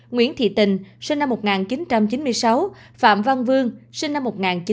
nguyễn thị tình sinh năm một nghìn chín trăm chín mươi sáu phạm văn vương sinh năm một nghìn chín trăm chín mươi